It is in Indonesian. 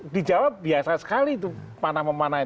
di jawa biasa sekali itu mana memanahnya